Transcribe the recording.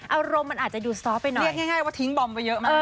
อารมณ์มันอาจจะดูซอฟต์ไปหน่อยเรียกง่ายว่าทิ้งบอมไว้เยอะมาก